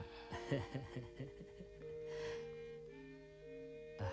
tuhan yang mempertimbangkan